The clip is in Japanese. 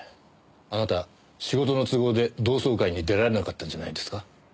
あなた仕事の都合で同窓会に出られなかったんじゃないんですか？